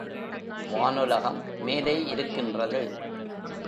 வானுலகம் மேலே இருக்கின்றது.